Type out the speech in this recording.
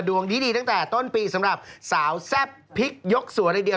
ดวงดีตั้งแต่ต้นปีสำหรับสาวแซ่บพริกยกสัวเลยเดียว